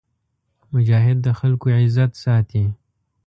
مجاهد د خلکو عزت ساتي.